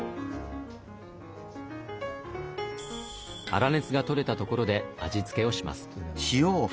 粗熱がとれたところで味付けをします。